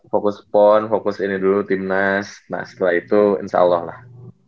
fokus pon fokus ini dulu timnas nah setelah itu insya allah lah